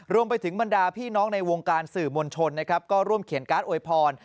รวมไปถึงบรรดาพี่น้องในวงการสื่อมวลชนนะครับก็ร่วมเขียนการ์ดอวยพร